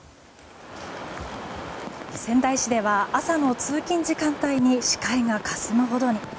仙台市では朝の通勤時間帯に視界がかすむほどに。